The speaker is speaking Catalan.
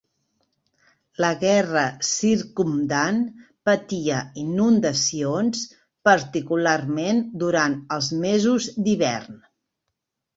La terra circumdant patia inundacions, particularment durant els mesos d'hivern.